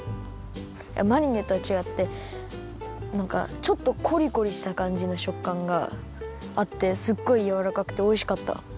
マリネとはちがってなんかちょっとコリコリしたかんじのしょっかんがあってすっごいやわらかくておいしかった。